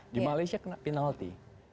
di malaysia kena penalti